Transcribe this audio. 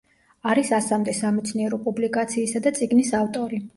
არის ასამდე სამეცნიერო პუბლიკაციისა და წიგნის ავტორი.